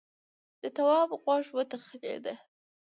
د تواب غوږ وتخڼېد.